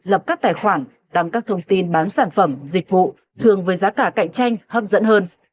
lập các tài khoản đăng các thông tin bán sản phẩm dịch vụ thường với giá cả cạnh tranh hấp dẫn hơn